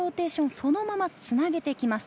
そのままつなげてきます。